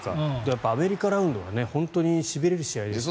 アメリカラウンドは一番しびれる試合でしたね。